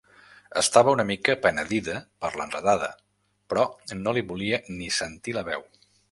Estava una mica penedida per l'enredada, però no li volia ni sentir la veu.